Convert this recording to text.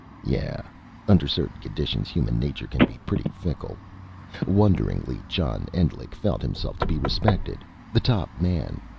Yeah, under certain conditions human nature can be pretty fickle. Wonderingly, John Endlich felt himself to be respected the Top Man.